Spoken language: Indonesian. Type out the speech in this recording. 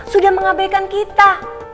sudah mengabaikan kita